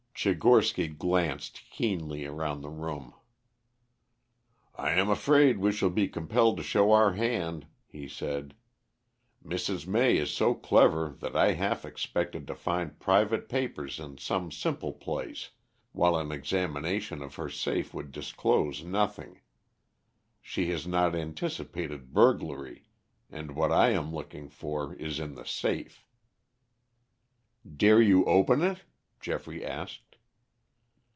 Tchigorsky glanced keenly round the room. "I am afraid we shall be compelled to show our hand," he said. "Mrs. May is so clever that I half expected to find private papers in some simple place, while an examination of her safe would disclose nothing. She has not anticipated burglary and what I am looking for is in the safe." "Dare you open it?" Geoffrey asked.